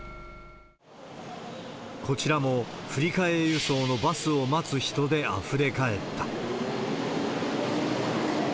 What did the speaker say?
こちらも振り替え輸送のバスを待つ人であふれ返った。